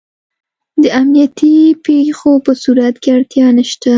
د امنیتي پېښو په صورت کې اړتیا نشته.